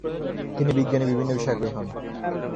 তিনি বিজ্ঞানের বিভিন্ন বিষয়ে আগ্রহী হন।